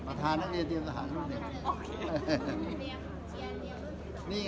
มาทานักเรียนสหารุ่นเนี่ย